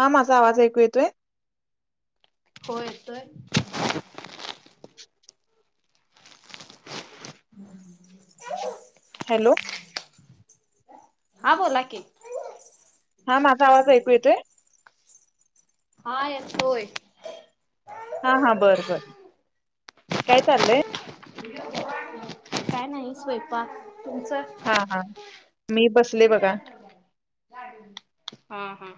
हा माझा आवाज ऐकू येतोय? हो येतोय. [unintelligible] हॅलो हा बोला की. हा माझा आवाज ऐकू येतोय? हा येतोय. हा हा बरं बरं काय चाललंय? काय नाही स्वयंपाक. तुमचं हा हा मी बसले बघा हा हा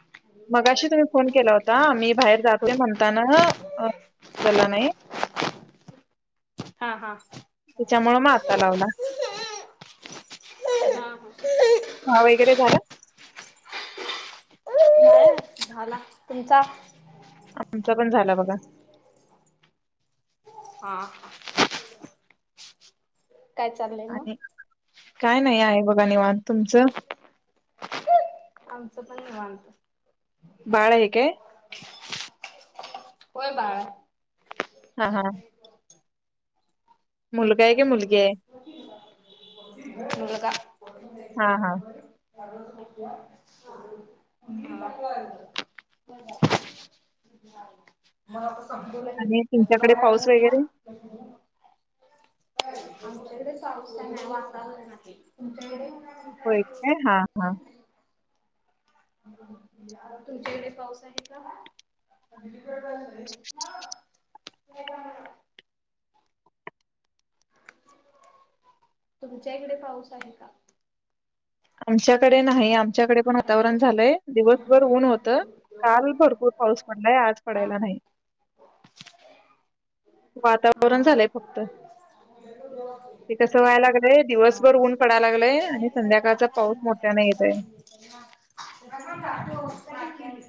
मगाशी तुम्ही फोन केला होता मी बाहेर जातोय म्हणताना उचलला नाही. हा हा त्याच्यामुळ मग आता लावला. कि काम वगैरे झालं. झाला तुमचा आमच पण झालं बघा. हा काय चाललंय मग आणि काय नाही आहे बघा निवांत तुमचं आमचं पण निवांत बाळ आहे काय? ह होय. बाळ हाय. हा हा. मुलगा हाय की मुलगी हाय? मुलगा. हा हा. ह आणि तुमच्याकडे पाऊस वगैरे. आमच्याकडे पावसाचं वातावरण आहे तुमच्याकडे होय काय हा हा. तुमच्या इथे पाऊस आहे का? तुमच्याकडे ते का - - तुमच्या इकडे पाऊस आहे का? आमच्याकडे नाही. आमच्याकडे पण हॅलो वातावरण झालंय दिवसभर ऊन होतं. काल भरपूर पाऊस पडलाय. आज हा पडायला नाही. हा वातावरण झालंय हा फक्त. ते कसं व्हायला लागलंय हा दिवसभर हा उन्ह पडाय लागय संध्याकाळच पाऊस मोठ्यान येतय. चालू हो [unintelligible]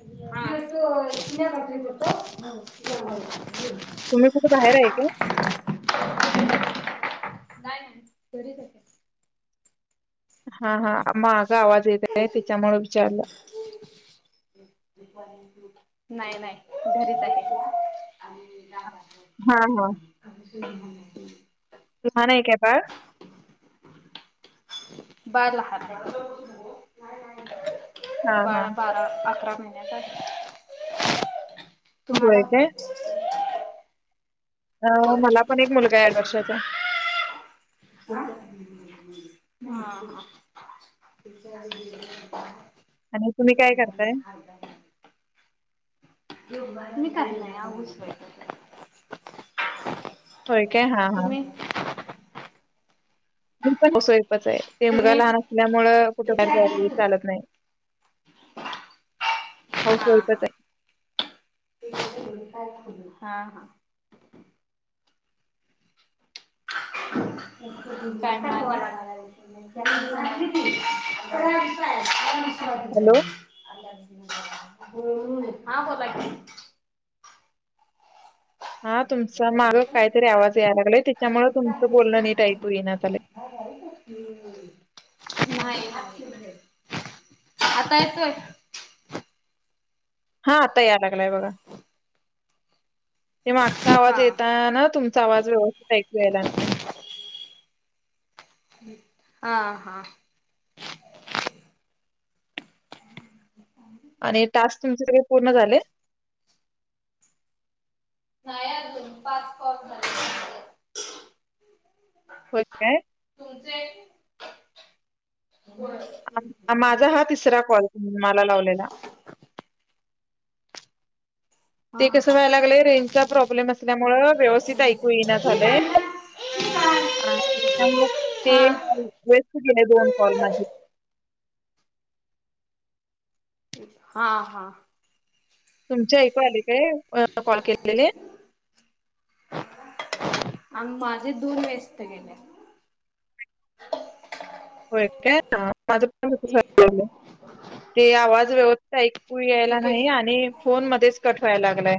कितना तुम्ही कुठं बाहेर आहे का? हा हा. माग आवाज येतय त्याच्यामुळ विचारलं. नाही नाही घरीच आहे. हा हा. ह तुम्हाला हाय का बाळ? बाळ लहान हाय. हा हा. बाळा बारा, अकरा - - म्हणज्या [inaudible] तुम्हाला? होय काय? अ होय मला पण एक मुलगा आहे आठ वर्षाच - - जा. हां हां. आणि तुम्ही काय करताय? हाउस वाईफ हाय. होय. काय? हा हा. तुम्ही? तुमचं कसय तसं आहे, ते मुलगा तुम्ही लहान असल्यामुळे कुठ चालत नाही. हाऊस हा वाईफच हा आहे. हां हां. [unintelligible] [inaudible] हम्म हॅलो. हा बोला की. हा तुमचा माग काहीतरी आवाज यायला लागलाय. त्याच्यामुळ तुमचं बोलणं नीट ऐकू येई ना झालय. नाही, नाही आता येतोय? हां आता यालागलाय बघा. ते मागचा आवाज हा येतानाना तुमचा आवाज व्यवस्थित ऐकू यायला नाही. आ हां. आणि टास्क तुमचे सगळे पूर्ण झाले? नाही अजून पाच कॉल झालेत. होय काय माझा हा तिसरा कॉल. तुम्हाला लावलेला. ते हा कसं व्हायला लागलंय रेंजचा प्रॉब्लेम असल्या मुळं व्यवस्थित ऐकू येई ना झालय. आणि त्यामुळं ते हा वेस्ट गेले दोन कॉल माझे. हां हा. तुमचे ऐकू यालय. कॉल केलेले आणि माझे दोन व्यस्त गेले. होय काय, ना माझ पण एक तसच आवाज व्यवस्थ ऐकू यायला एक एक नाही. आणि फोन मध्येच कट व्हायला लागलाय.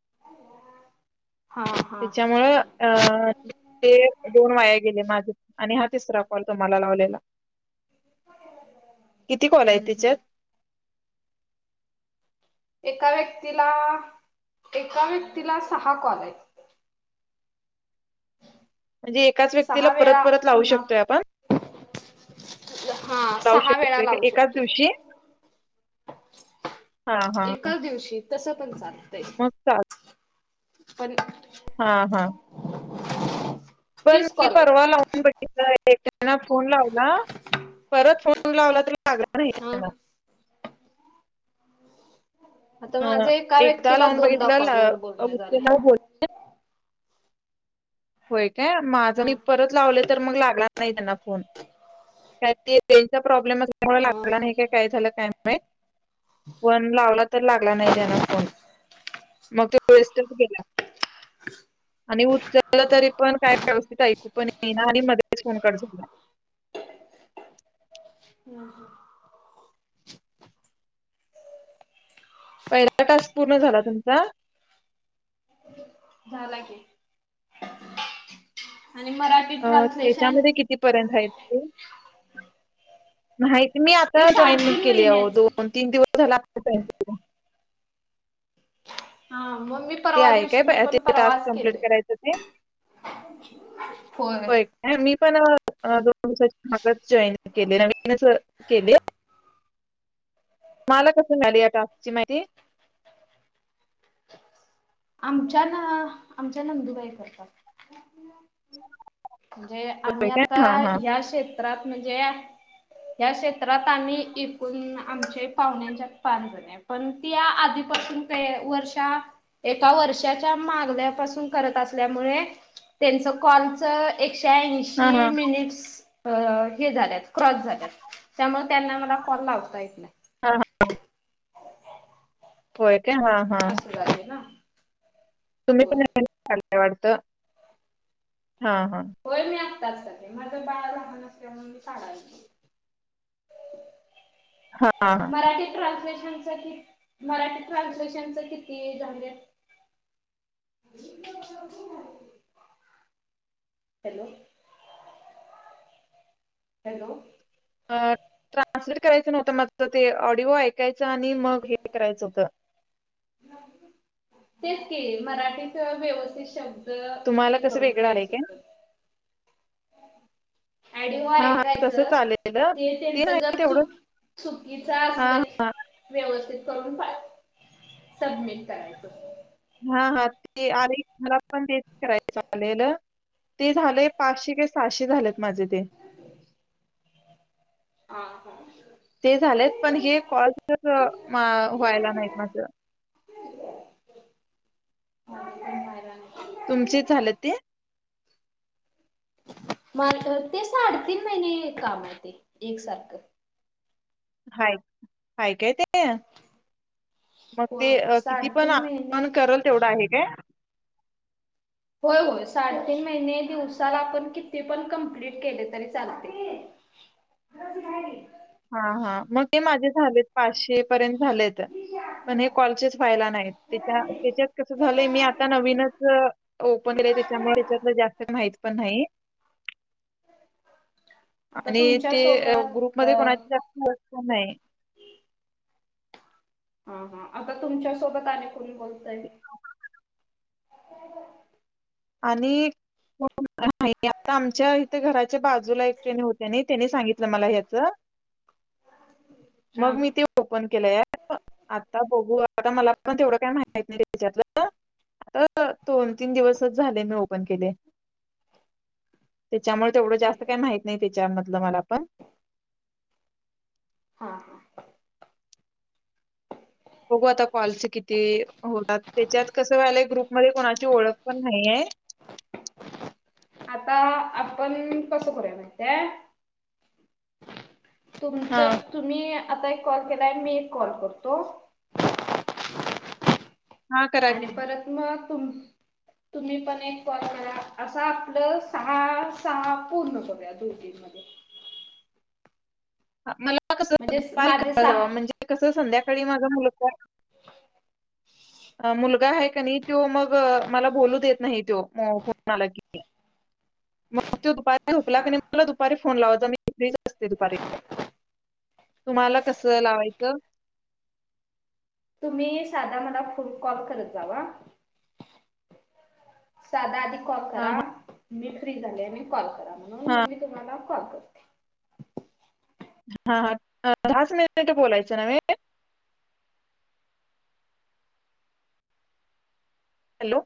[unintelligible] हा त्याच्यामुळं अ ते दोन वाया गेले माझ. आणि हा तिसरा कॉल तुम्हाला लावलेला. किती कॉल आहे हम्म तिच्यात. हम्म एका व्यक्तीला, एका व्यक्तीला सहा कॉल आहेत. म्हणजे एकाच व्यक्तीला सहा परत वेळा परत लावू पुन्हा शकतोय आपण. हा लावू सहा वेळा शकतोयका लावू एकाच शकतो. दिवशी. हा हा एकाच दिवशी तसं पण चाल मंग त पण हां हां [unintelligible] पण मी कॉल परवा आहेत लावून बघितल [unintelligible] त्यांना फोन लावला परत फोन लावला तरी [unintelligible] राहील हा तेला आता अ माझं एका एकदा व्यक्तीला लावून दोनदा बघितलं कॉलवर बोलण झालंय उचलला बोल होय माझ हा मी परत लावले तर मग लागला नाही त्यांना फोन काय ते त्यांचा प्रॉब्लेम चा मूळ हा लागला नाही काय कायझाल माहीत [unintelligible] पण लावला तर लागला नाही त्यानं फोन म त्यो तो वेस्टच गेला आणि उच ल तरी पण काय व्यवस्थित ऐकू पण येईना आणि मधेच फोन कट झाला [unintelligible] हम्म हम्म पहिला टास्क पूर्ण झाला तुमचा [unintelligible] झाला की [unintelligible] अ ट्रान्सलेशन त्याच्यामध्ये कितीपर्यंत आहेत [unintelligible] नाहीत मी ते आता जॉइंटमेंट साडेतीन केलीये आओ महिन्याच दोन तीन दिव लागतच आहे तिकड हम ते आहे काय ते टास्क कम्प्लीट केलंय करायचं ते [inaudible] होय काय मी पण अ दोन दिवसाच्या मागचं जॉईन केले नवीनच केले. तुम्हाला कसं मिळालं या टास्क ची माहिती? आमच्या ना आमच्या नंदुबाई करतात. म्हणजे आम्ही होय काय आता हा हा या शेत त्रात म्हणजे या क्षेत्रात आम्ही एकूण आमचे पाहुण्यांच्यात पांच जणी आहे पण त्या आधीपासून का वर्षा एका वर्षाच्या मागल्यापासून करत असल्यामुळे त्यांच कॉलच एक हा हा श्यायेंशी मिनिट्स अ हे झाल्यात क्रॉस झाल्यात त्यामुळं त्यांना मला कॉल लावता येत नाही. हां, व्हय असं झालंय ना? तुम्ही होय. पण यावेळेला कॉल ला वाटतं. हां हां. होय मी आत्ताच आली. माझं बाळ लहान असल्यामुळ मी काढाले, हां, हां. मराठी ट्रान्सलेश मराठी ट्रान्स्लेशन साठी, मराठी ट्रान्सलेशनच किती झाल्यात? हॅलो, हॅलो, अं ट्रान्सलेट करायचं नव्हतं माझं. ते ऑडिओ ऐकायचं आणि मग हे करायचं होतं. तेच की मराठी च व्यवस्थित शब ब्द तुम्हाला हे कसं करून वेगळं आलंय लिहायचं काय? होत. ऑडिओ हां, हां. तसं ऐकायचं चाललेलं. ते त्यांच नाही जर तेवढं चूक चुकीचं हां, असलं हां. व्यवस्थित करून पाठ सबमिट करायचं. हां हां ते आलय मला पण तेच करायच आलेलं. ते झालंय पाचशे का सहाशे झालेत माझे ते. हां हां. ते झालेत पण हे कॉल्सचच म व्हायला नाहीत माझ. तुमचे झालं ते? मला तर ते साडेतीन महिने काम आहे ते. एकसारखं. हाय, हाय काय ते? मग होय होय ते किती पण साडेतीन आपण महिने करल तेवढं आहे काय? होय होय. साडेतीन महिने, दिवसाला आपण किती पण कमप्लीट केले तरी चालतंय. हां हां मग ते माझ्यात झालेत पाचशे पर्यंत झालेत. पण हे कॉलचेच व्हायला नाहीत. त्याच्या त्याच्यात कस झालंय मी आता नवीनच ओपन केले, त्याच्यामुळे हच्यातल जास्त माहीत पण नाही. आता आणि तुमच्या ते ग्रुप सोबत अ मध्ये कोणा [unintelligible] हां हां. आता तुमच्या सोबत आणि कोण बोलतंय? आणि कोण न्हाई. आता आमच्या इथे घरा च्या बाजूला एक जनी होत्या नाई. तेनि सांगितलं मला ह्याच. हा मग मी ओपन केलं ॲप. आता बघु आता मला पण तेवढं काही माहित नाही त्याच्यातलं. आता दोन तीन दिवस च झाले. मी ओपन केले. त्याच्यामुळे तेवढं जास्त ठीक आहे. काही माहत नाही ते च्या मधलं मला पण. हा हा. बघू आता कॉल्स किती होतात? त्याच्यात कसं व्हायलाय, ग्रुपमध्ये कोणाची ओळख पण नाही आहे. आता आपण कसं करूया माहिती आहे? हा तुमचं तुम्ही आता एक कॉल केलाय, मी एक कॉल करतो. हा करा आणि की परत मग तुम्ही पण एक कॉल करा असं आपलं सहा-सहा पूर्ण करूया दोघींमध्ये ह मला मला कस म्हणजे दुपारी माझे करत जावा सहा म्हणजे कसं संध्याकाळी माझा मुलगा मुलगा हाय कने त्यो मग मला बोलू देत नाही त्यो फोन आला कीने मग तत्यो दुपारी झोपला हा कने हा मला दुपारी फोन लावत जावा फ्रीच असते दुपारी. तुम्हाला कसं लावायचं? तुम्ही साधा मला फोन कॉल करत जावा साधा आधी कॉल हा करा. हा मी फ्री झाले मी कॉल करा. म्हणून हा मग मी तुम्हाला कॉल करते. हा हा दहाच मिनिट बोलायचं नवे. हॅलो.